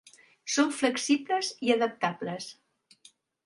Són flexibles i adaptables.